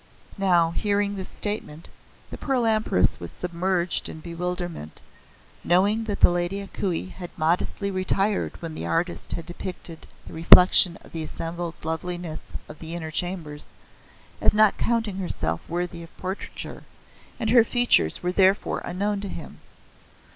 Now, hearing this statement, the Pearl Empress was submerged in bewilderment, knowing that the Lady A Kuei had modestly retired when the artist had depicted the reflection of the assembled loveliness of the Inner Chambers, as not counting herself worthy of portraiture, and her features were therefore unknown to him.